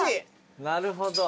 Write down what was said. なるほど。